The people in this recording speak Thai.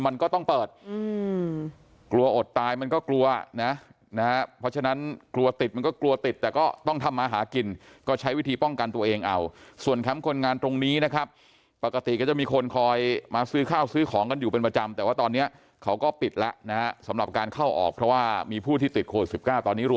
มันก็ต้องเปิดกลัวอดตายมันก็กลัวนะนะฮะเพราะฉะนั้นกลัวติดมันก็กลัวติดแต่ก็ต้องทำมาหากินก็ใช้วิธีป้องกันตัวเองเอาส่วนแคมป์คนงานตรงนี้นะครับปกติก็จะมีคนคอยมาซื้อข้าวซื้อของกันอยู่เป็นประจำแต่ว่าตอนนี้เขาก็ปิดแล้วนะฮะสำหรับการเข้าออกเพราะว่ามีผู้ที่ติดโควิด๑๙ตอนนี้รั